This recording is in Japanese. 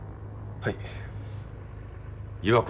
はい。